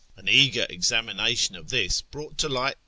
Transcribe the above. An eager examination of this brought to light ^ Kur'an, ch.